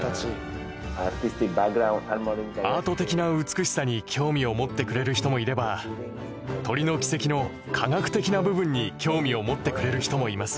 アート的な美しさに興味を持ってくれる人もいれば鳥の軌跡の科学的な部分に興味を持ってくれる人もいます。